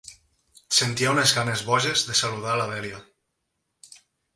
Sentia unes ganes boges de saludar la Dèlia.